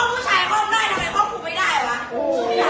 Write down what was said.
ก็เสมอทางหลังกูเรียงกูอ่ะ